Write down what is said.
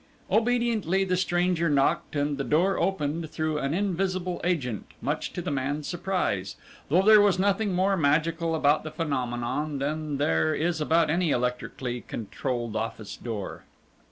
Obediently the stranger knocked and the door opened through an invisible agent, much to the man's surprise, though there was nothing more magical about the phenomenon than there is about any electrically controlled office door.